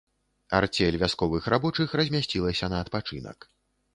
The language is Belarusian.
Арцель вясковых рабочых размясцілася на адпачынак.